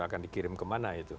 akan dikirim kemana itu